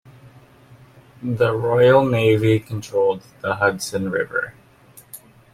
The Royal Navy controlled the Hudson River.